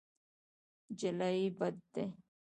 جلايي بد دی.